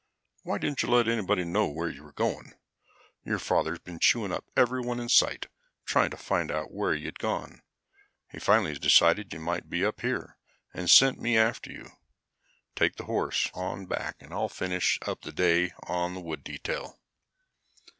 "Why didn't you let somebody know where you were going? Your father's been chewing up everyone in sight, trying to find out where you'd gone. He finally decided you might be up here, and sent me after you. Take the horse on back. I'll finish up the day on the wood detail."